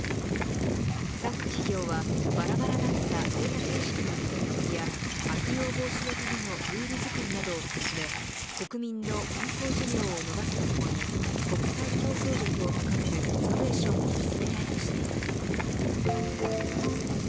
参加企業は、ばらばらだったデータ形式の統一や悪用防止のためのルールづくりなどをすすめ国民の健康寿命を延ばすとともに国際競争力を高めるイノベーションも進めたいとしています。